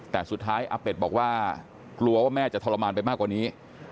แต่สุดท้ายอาเป็ดบอกว่ากลัวว่าแม่จะทรมานไปมากกว่านี้